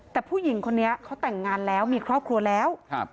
แต่ผู้หญิงคนนี้เขาแต่งงานแล้วมีครอบครัวแล้วครับ